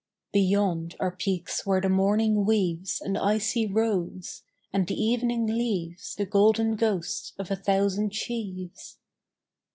Beyond, are peaks where the morning weaves An icy rose; and the evening leaves The golden ghosts of a thousand sheaves.